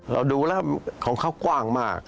เราดูแล้วของเขากว้างมาก